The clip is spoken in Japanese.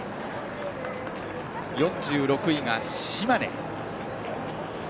４６位が島根。